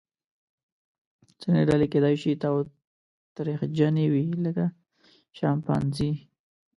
ځینې ډلې کیدای شي تاوتریخجنې وي لکه شامپانزې.